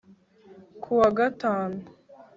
ku wa gatanu